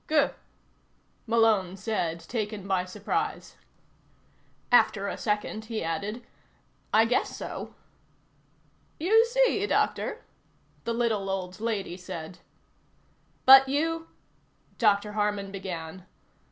"Gur," Malone said, taken by surprise. After a second he added: "I guess so." "You see, Doctor?" the little old lady said. "But you " Dr. Harman began.